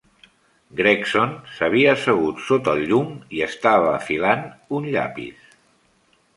Gregson s'havia assegut sota el llum i estava afilant un llapis.